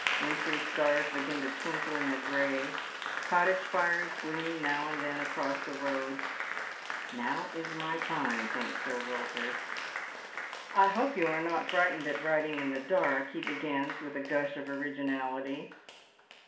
Wintry stars begin to twinkle in the gi'ay, cottage fire* gleam now and then across the road. " Now is my time," thinks Sir Wilford. "I hope you are not friglitened at riding in the dark," h© begins, with a gush of originality.